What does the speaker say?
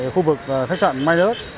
khu vực khách trạng may đớt